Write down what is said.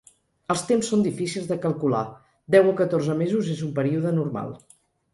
Els temps són difícils de calcular, deu o catorze mesos és un període normal.